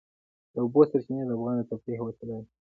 د اوبو سرچینې د افغانانو د تفریح یوه وسیله ده.